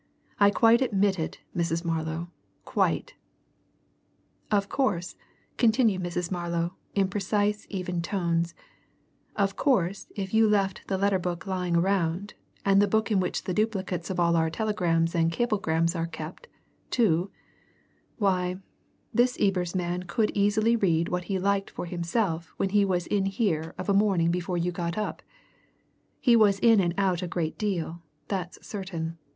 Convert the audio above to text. I quite admit it, Mrs. Marlow, quite!" "Of course," continued Mrs. Marlow, in precise, even tones, "of course if you left the letter book lying round, and the book in which the duplicates of all our telegrams and cablegrams are kept, too why, this Ebers man could easily read what he liked for himself when he was in here of a morning before you got up. He was in and out a great deal, that's certain.